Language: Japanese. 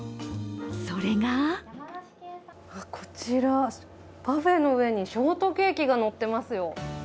それがこちら、パフェの上にショートケーキが乗ってますよ。